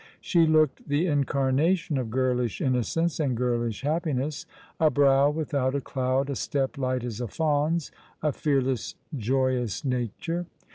She looked _the incarnation of girlish innocence and girlish happiness — a brow without a cloud, a step light as a fawn's — a fearless, joyous nature.